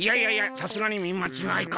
さすがにみまちがいか？